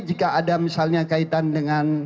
jika ada misalnya kaitan dengan